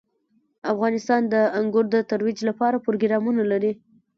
افغانستان د انګور د ترویج لپاره پروګرامونه لري.